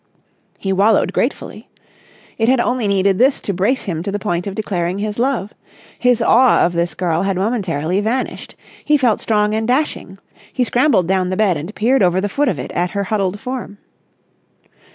He wallowed gratefully. It had only needed this to brace him to the point of declaring his love. His awe of this girl had momentarily vanished. He felt strong and dashing. He scrambled down the bed and peered over the foot of it at her huddled form.